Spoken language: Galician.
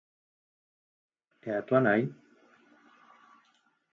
E a túa nai?